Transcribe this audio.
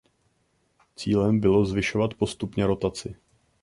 Cílem bylo zvyšovat postupně rotaci.